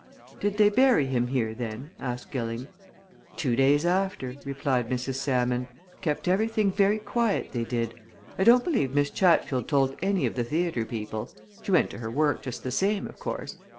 "Did they bury him here, then?" asked Gilling. "Two days after," replied Mrs. Salmon. "Kept everything very quiet, they did. I don't believe Miss Chatfield told any of the theatre people she went to her work just the same, of course.